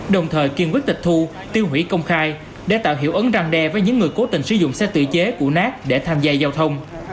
đồng thời kiên quyết tịch thu tiêu hủy công khai để tạo hiệu ấn răng đe với những người cố tình sử dụng xe tự chế cụ nát để tham gia giao thông